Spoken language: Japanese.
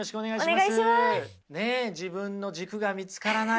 自分の軸が見つからない。